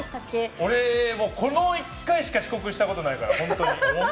俺、この１回しか遅刻したことないから、本当に。